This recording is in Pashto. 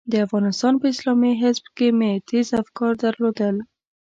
د افغانستان په اسلامي حزب کې مې تېز افکار درلودل.